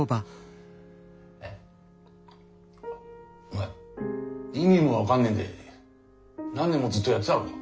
えお前意味も分かんねえで何年もずっとやってたのか？